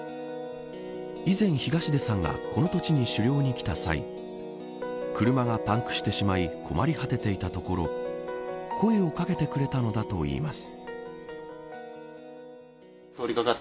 以前、東出さんがこの土地に狩猟に来た際車がパンクしてしまい困り果てていたところ声を掛けてくれたのだといいます。